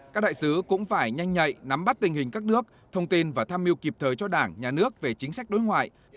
các đại sứ cũng phải nhanh nhạy nắm bắt tình hình các nước thông tin và tham mưu kịp thời cho đảng nhà nước về chính sách đối ngoại